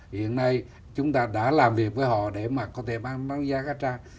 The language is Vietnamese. hiện nay chúng ta đã làm việc với họ để mà có thể bán đấu giá cá tra